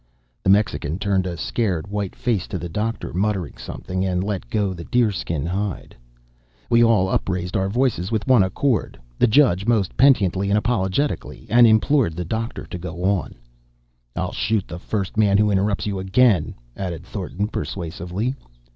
The Mexican turned a scared, white face to the Doctor, muttering something, and let go the deer skin hide. We all up raised our voices with one accord, the Judge most penitently and apologetically, and implored the Doctor to go on. "I'll shoot the first man who interrupts you again," added Thornton; persuasively.